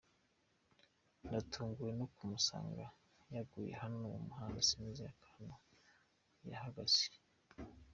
Natunguwe no kumusanga yaguye hano ku muhanda sinzi ukuntu yahageze.